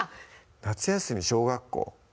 夏休み小学校